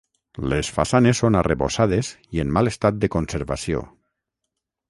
Les façanes són arrebossades i en mal estat de conservació.